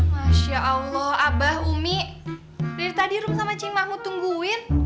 masya allah abah umi dari tadi rumah sama cim mau tungguin